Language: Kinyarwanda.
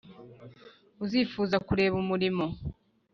Uzifuza kureba umurimo